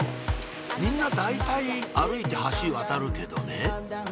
みんな大体歩いて橋渡るけどね